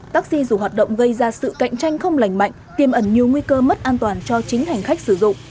taxi dù hoạt động gây ra sự cạnh tranh không lành mạnh tiêm ẩn nhiều nguy cơ mất an toàn cho chính hành khách sử dụng